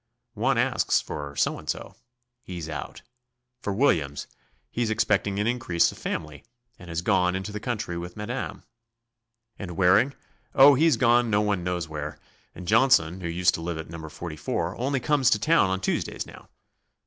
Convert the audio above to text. One asks for So and so he's out; for Williams he's expecting an increase of family, and has gone into the country with madame. And Waring? Oh, he's gone no one knows where, and Johnson who used to live at Number 44 only comes up to town on Tuesdays now.